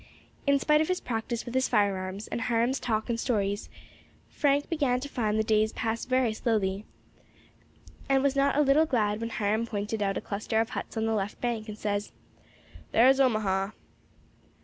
In spite of his practice with his firearms, and Hiram's talk and stories, Frank began to find the days pass very slowly, and was not a little glad when Hiram pointed out a cluster of huts on the left bank, and said, "There is Omaha."